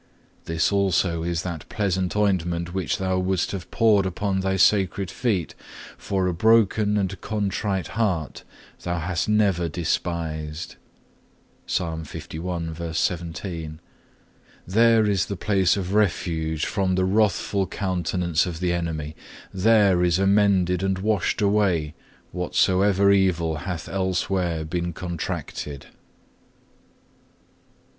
This also is that pleasant ointment which Thou wouldst have poured upon Thy sacred feet, for a broken and contrite heart Thou hast never despised.(4) There is the place of refuge from the wrathful countenance of the enemy. There is amended and washed away whatsoever evil hath elsewhere been contracted.